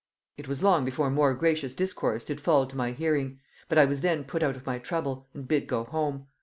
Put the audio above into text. It was long before more gracious discourse did fall to my hearing; but I was then put out of my trouble, and bid go home.